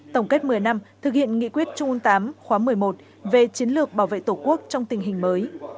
tổng kết một mươi năm thực hiện nghị quyết trung ương viii khóa một mươi một về chiến lược bảo vệ tổ quốc trong tình hình mới